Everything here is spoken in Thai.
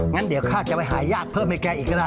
งั้นเดี๋ยวข้าจะไปหายากเพิ่มให้แกอีกก็ได้